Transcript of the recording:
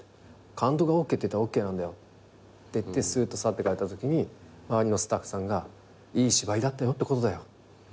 「監督がＯＫって言ったらＯＫなんだよ」って言ってすーっと去っていかれたときに周りのスタッフさんが「いい芝居だったよってことだよ」って言われて。